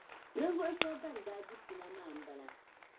Ninvuɣ' shɛba ban daa di pina maa m-bala.